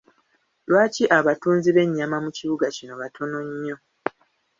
Lwaki abatunzi b'ennyama mu kibuga kino batono nnyo?